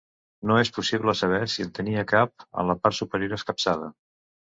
No és possible saber si en tenia cap en la part superior escapçada.